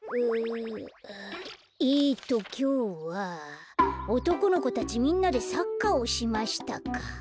えっときょうは「おとこの子たちみんなでサッカーをしました」か。